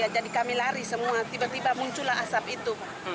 jadi kami lari semua tiba tiba muncul asap itu